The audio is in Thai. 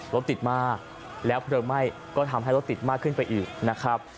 รถติดมากแล้วเพลิงไหม้ก็ทำให้รถติดมากขึ้นไปอีกนะครับ